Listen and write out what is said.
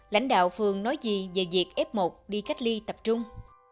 lãnh đạo phường nói gì về việc f một đi cách ly tập trung